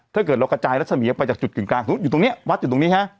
ถ้าเกิดเรากระจายรัฐเสมียไปจากจุดกึ่งกลางอยู่ตรงเนี้ยวัดอยู่ตรงนี้ฮะ